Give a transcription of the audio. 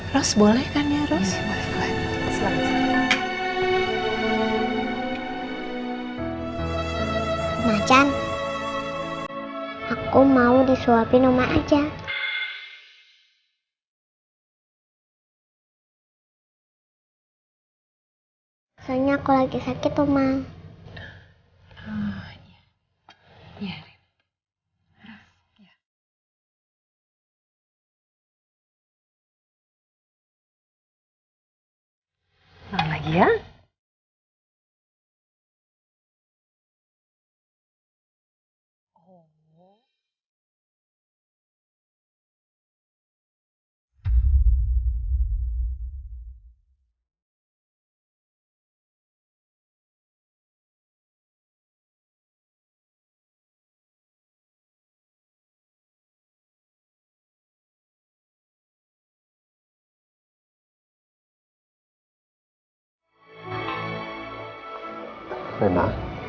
rena lagi makan ya